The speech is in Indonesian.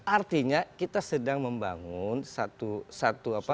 artinya kita sedang membangun satu apa